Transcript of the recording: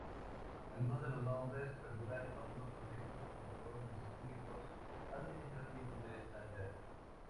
Algunos de los nombres perduran en otros contextos, como los distritos administrativos de sanidad.